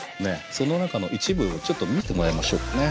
その中の一部をちょっと見てもらいましょうかね。